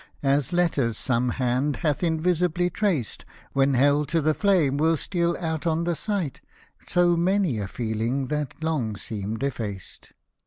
As letters some hand hath invisibly traced. When held to the flame will steal out on the sight, So many a feeling, that long seemed effaced.